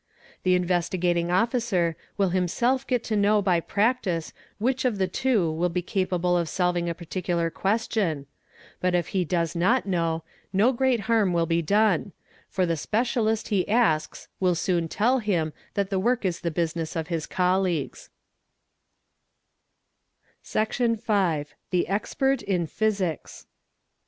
The Investigating Officer will himself get _ to know by practice which of the two will be capable of solving a particular a "question ; but if he does not know, no great harm will be done; for the 'specialist he asks will soon tell him that the work is the business of his "colleagues ing Section v.—The Expert in Physics.